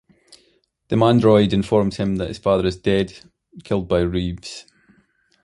The Mandroid informs him that his father is dead, killed by Reeves.